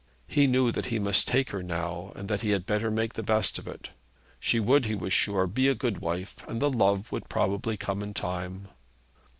He knew that he must take her now, and that he had better make the best of it. She would, he was sure, be a good wife, and the love would probably come in time.